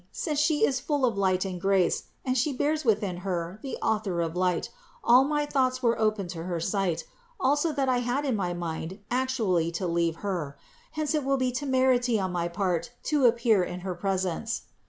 since She is full of light and grace and She bears within Herself the Author of light, all my thoughts were open to her sight, also that I had in my mind actually to leave Her ; hence it will be temerity on my part to appear in her presence.